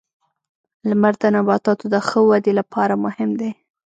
• لمر د نباتاتو د ښه ودې لپاره مهم دی.